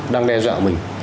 đang đe dọa mình